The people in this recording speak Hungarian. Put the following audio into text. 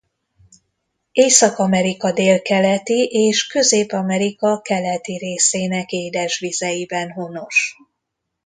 Észak-Amerika délkeleti és Közép-Amerika keleti részének édesvízeiben honos.